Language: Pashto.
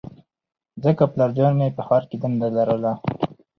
ځکه پلارجان مې په ښار کې دنده لرله